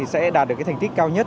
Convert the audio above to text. sẽ đạt được thành tích cao nhất